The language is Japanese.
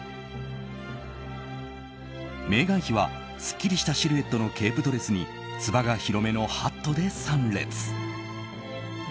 メーガン妃はすっきりしたシルエットのケープドレスにつばが広めのハットで参列。